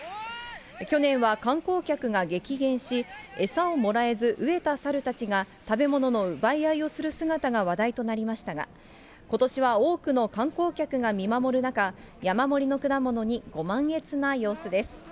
去年は観光客が激減し、餌をもらえず飢えたサルたちが、食べ物の奪い合いをする姿が話題となりましたが、ことしは多くの観光客が見守る中、山盛りの果物に、ご満悦な様子です。